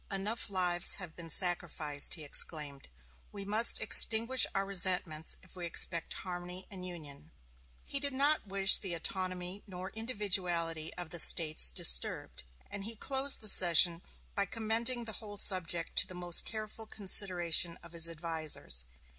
"Enough lives have been sacrificed," he exclaimed; "we must extinguish our resentments if we expect harmony and union." He did not wish the autonomy nor the individuality of the States disturbed; and he closed the session by commending the whole subject to the most careful consideration of his advisers.